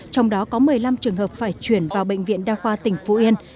trong đó có một mươi năm trường hợp phải chuyển vào bệnh viện đa khoa tỉnh phú yên